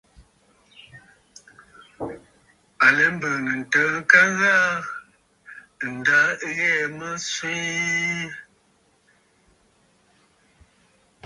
À lɛ mbɨ̀ɨ̀nə̀ ntəə ŋka ghaa, ǹda ɨ ghɛɛ̀ mə swee.